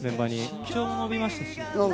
身長も伸びましたし。